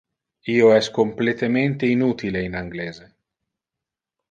Io es completemente inutile in anglese.